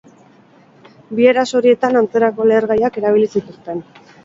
Bi eraso horietan antzerako lehergaiak erabili zituzten.